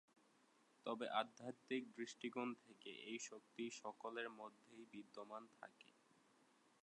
তবে আধ্যাত্মিক দৃষ্টিকোণ থেকে এই শক্তি সকলের মধ্যেই বিদ্যমান থাকে।